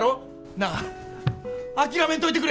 なあ諦めんといてくれ！